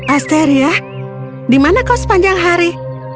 asteria di mana kau sepanjang hari